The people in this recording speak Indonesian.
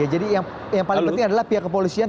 jadi yang paling penting adalah pihak kepolisian